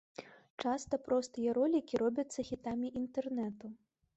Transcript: Часта простыя ролікі робяцца хітамі інтэрнэту.